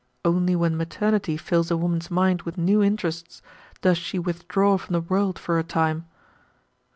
Only when maternity fills a woman's mind with new interests does she withdraw from the world for a time.